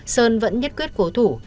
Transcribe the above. sơn vẫn nhất quyết cố thủ